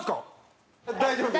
大丈夫。